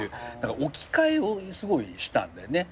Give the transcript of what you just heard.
置き換えをすごいしたんだよね。